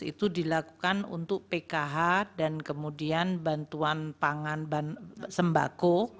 itu dilakukan untuk pkh dan kemudian bantuan pangan sembako